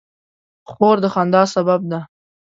خور د خندا سبب ده.